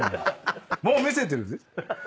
もう見せてるぜ。